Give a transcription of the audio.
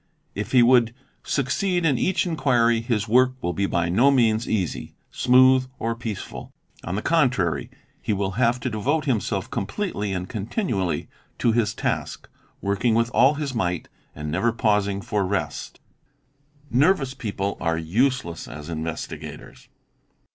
If he would succeed in each inquiry his work will be by no means easy, smooth, or peaceful ; on the contrary, he w ll have to devote himself completely and continually to his task, working with all his might and never pausing for rest. Ne * Nervous people are useless ag investigators.